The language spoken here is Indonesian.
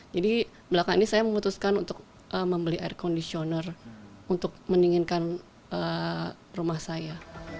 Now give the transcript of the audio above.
jadi belakang ini saya memutuskan untuk membeli air kondisioner untuk mendinginkan rumah saya